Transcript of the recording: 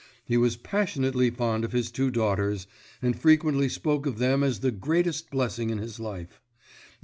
He was passionately fond of his two daughters, and frequently spoke of them as the greatest blessing in his life.